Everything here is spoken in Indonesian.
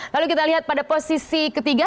lalu kita lihat pada posisi ketiga